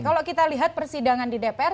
kalau kita lihat persidangan di dpr